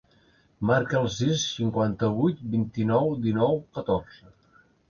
Marca el sis, cinquanta-vuit, vint-i-nou, dinou, catorze.